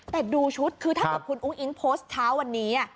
แต่ดูชุดคือถ้าเกิดคุณอุ้งอิ๊งโพสต์เช้าวันนี้